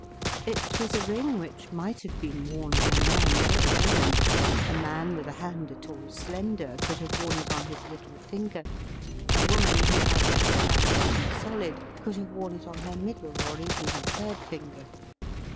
It was a ring which might have been worn by man or woman — a man with a hand at all slender could have worn it on his little fineer ; a woman who had not a hand too solid could have worn it on her middle or even her third finger.